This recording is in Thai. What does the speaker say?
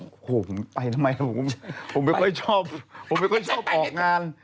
โอ้โหผมไปทำไมผมไม่ค่อยชอบผมเป็นคนชอบออกงาน